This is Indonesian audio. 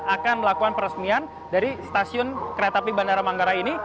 akan melakukan peresmian dari stasiun kereta api bandara manggarai ini